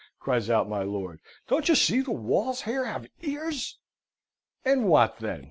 cries out my lord. "Don't you see the walls here have ears!" "And what then?"